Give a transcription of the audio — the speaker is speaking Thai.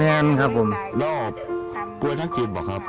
แล้วปล่วยทั้งชีวิตเหรอครับ